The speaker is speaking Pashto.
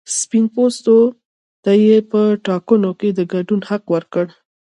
سپین پوستو ته یې په ټاکنو کې د ګډون حق ورکړ.